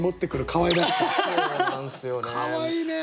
かわいいね！